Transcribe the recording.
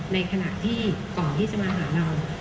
ในขณะที่ก่อนที่จะมาหาเรา